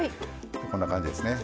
こんな感じですね。